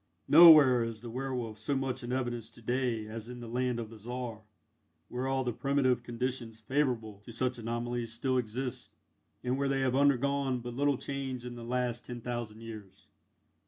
Nowhere is the werwolf so much in evidence to day as in the land of the Czar, where all the primitive conditions favourable to such anomalies, still exist, and where they have undergone but little change in the last ten thousand years.